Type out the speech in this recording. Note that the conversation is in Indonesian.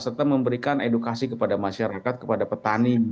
serta memberikan edukasi kepada masyarakat kepada petani